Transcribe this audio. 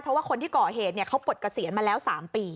เพราะว่าคนที่ก่อเหตุเขาปลดเกษียณมาแล้ว๓ปี